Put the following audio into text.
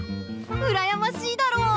うらやましいだろ！